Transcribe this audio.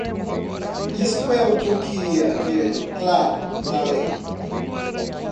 Isto é o que eu queria ver claro na lei.